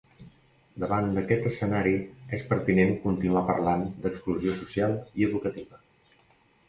Davant d'aquest escenari és pertinent continuar parlant d'exclusió social i educativa.